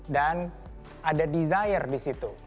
dan ada desire di situ